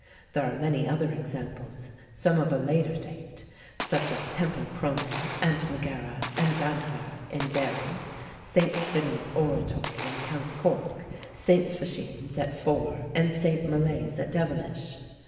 There are many other examples, some of a later date, such as Temple Cronan and Maghera and Banagher in Derry, St. Finan's oratory in county Cork, St. Fechin's at Fore, and St. Molaise's at Devenish.